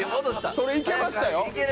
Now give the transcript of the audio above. それいけましたよ。